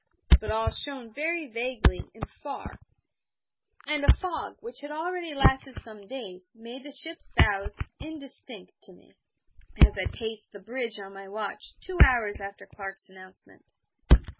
But all shone very vaguely and far, and a fog, which had already lasted some days, made the ship's bows indistinct to me, as I paced the bridge on my watch, two hours after Clark's announcement.